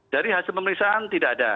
dari hasil pemeriksaan tidak ada